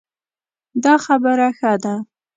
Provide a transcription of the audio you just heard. دا خبره ښه ده